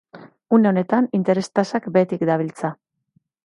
Une honetan, interes-tasak behetik dabiltza.